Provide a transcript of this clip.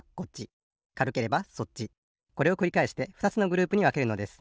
これをくりかえしてふたつのグループにわけるのです。